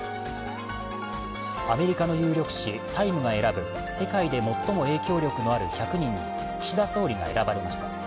アメリカの有力誌「タイム」が選ぶ世界で最も影響力のある１００人に岸田総理が選ばれました。